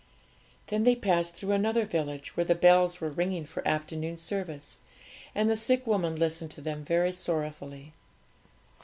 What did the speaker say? Then they passed through another village, where the bells were ringing for afternoon service, and the sick woman listened to them very sorrowfully.